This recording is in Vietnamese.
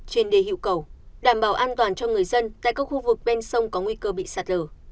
trên đề hiệu cầu đảm bảo an toàn cho người dân tại các khu vực bên sông có nguy cơ bị sạt lở